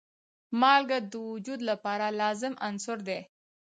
مالګه د وجود لپاره لازم عنصر دی.